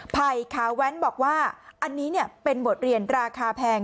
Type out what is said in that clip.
ไผ่ขาแว้นบอกว่าอันนี้เป็นบทเรียนราคาแพง